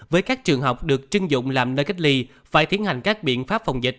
với các trường học được trưng dụng làm nơi cách ly phải thiến hành các biện pháp phòng dịch